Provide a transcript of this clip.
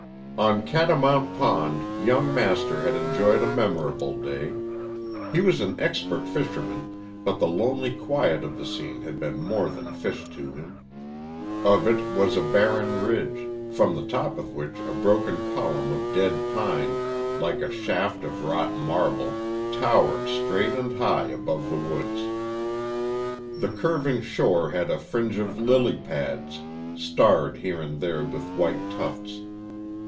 ON Catamount Pond young Master had enjoyed a memorable day. He was an expert fisherman, but the lonely quiet of the scene had been more than fish to him: of it was a barren ridge, from the top of which a broken column of dead pine, like a shaft of wrought marble, towered straight and high above the woods. The curving shore had a fringe of lily pads, starred here and there with white tufts.